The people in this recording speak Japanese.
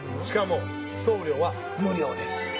しかも送料は無料です。